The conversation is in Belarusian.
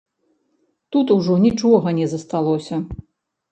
Тут ужо нічога не засталося.